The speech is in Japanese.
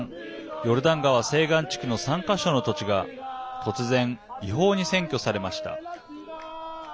ヨルダン川西岸地区の３か所の土地が突然、違法に占拠されました。